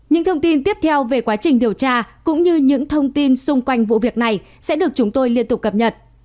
những thông tin tiếp theo về quá trình điều tra cũng như những thông tin xung quanh vụ việc này sẽ được chúng tôi liên tục cập nhật